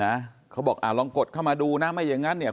นะเขาบอกอ่าลองกดเข้ามาดูนะไม่อย่างงั้นเนี่ย